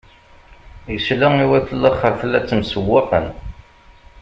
Isla i wat laxert la ttemsewwaqen.